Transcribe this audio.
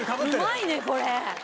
うまいねこれ。